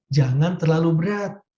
jangan terlalu berat